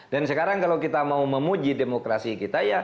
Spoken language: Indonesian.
dan sekarang kalau kita mau memuji demokrasi kita